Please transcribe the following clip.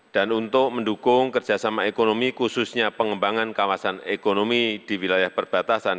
dan untuk mendukung kerjasama ekonomi khususnya pengembangan kawasan ekonomi di wilayah perbatasan